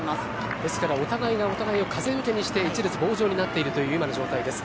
ですからお互いを風よけにして一列になっているという状態です。